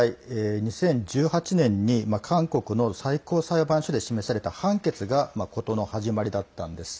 ２０１８年に韓国の最高裁判所で示された判決が事の始まりだったんです。